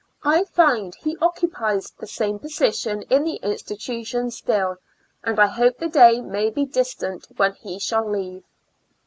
I find he occu pies the same position in the institution IN A Lunatic Asylum. 149 still, and I hope tlie day may be distant when he shall leave.